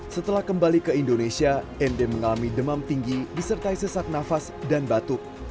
setelah kembali ke indonesia nd mengalami demam tinggi disertai sesak nafas dan batuk